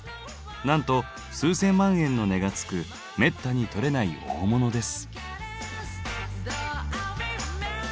なんと数千万円の値がつくめったに採れない大物です。